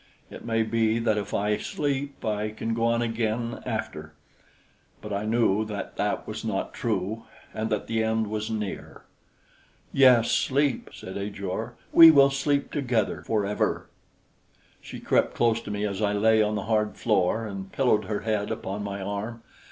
It may be that if I sleep, I can go on again after," but I knew that that was not true, and that the end was near. "Yes, sleep," said Ajor. "We will sleep together forever." She crept close to me as I lay on the hard floor and pillowed her head upon my arm.